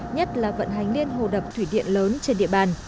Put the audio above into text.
nhất là vận hành liên hồ đập thủy điện lớn trên địa bàn